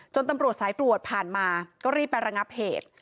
ตำรวจสายตรวจผ่านมาก็รีบไประงับเหตุ